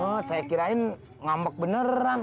oh saya kirain ngambek beneran